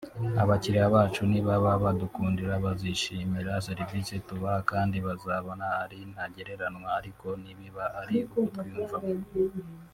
abakiriya bacu nibaba badukunda bazishimira serivisi tubaha kandi bazabona ari ntagereranywa ariko nibiba ari ukutwiyumvamo